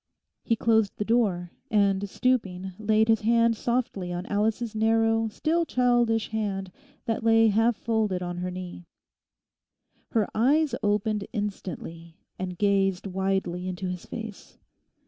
He closed the door, and stooping laid his hand softly on Alice's narrow, still childish hand that lay half folded on her knee. Her eyes opened instantly and gazed widely into his face.